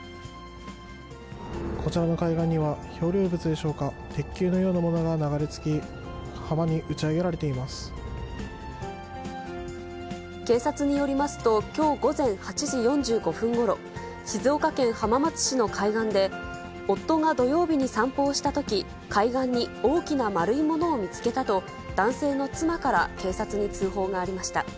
こちらの海岸には漂流物でしょうか、鉄球のようなものが流れ着き、警察によりますと、きょう午前８時４５分ごろ、静岡県浜松市の海岸で、夫が土曜日に散歩をしたとき、海岸に大きな丸いものを見つけたと男性の妻から警察に通報がありました。